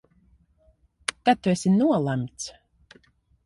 Tad tu esi nolemts!